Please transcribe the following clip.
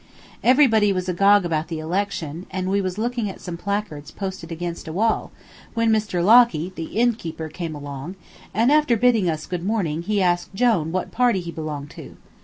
Everybody was agog about the election, and we was looking at some placards posted against a wall, when Mr. Locky, the innkeeper, came along, and after bidding us good morning he asked Jone what party he belonged to.